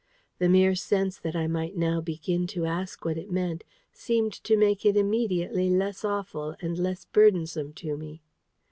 The mere sense that I might now begin to ask what it meant seemed to make it immediately less awful and less burdensome to me.